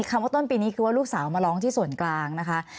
ว่าต้นปีนี้คือว่าลูกสาวมาร้องที่ส่วนกลางนะคะ